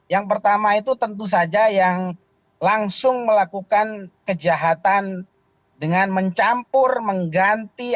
yang pertama itu tentu saja yang langsung melakukan kejahatan dengan mencampur mengganti